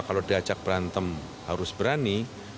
kalau diajak berantem harus berani